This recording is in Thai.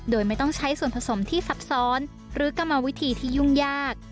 โดยไม่ต้องใช้ส่วนผสมที่ซับซ้อนหรือกรรมวิธีที่ยุ่งยาก